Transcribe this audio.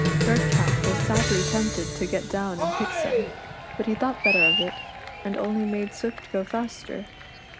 Redcap was sadly tempted to get down and pick some, but he thought better of it, and only made Swift go faster.